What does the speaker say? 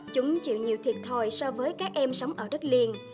chúng chịu nhiều thiệt thòi so với các em sống ở đất liền